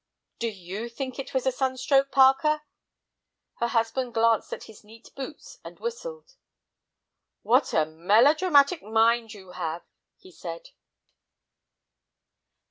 "Do you think it was a sunstroke, Parker?" Her husband glanced at his neat boots and whistled. "What a melodramatic mind you have," he said.